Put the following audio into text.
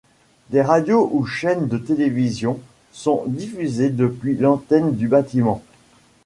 Des radios ou chaînes de télévision sont diffusées depuis l'antenne du bâtiment.